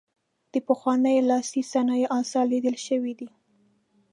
د پخوانیو لاسي صنایعو اثار لیدل شوي دي.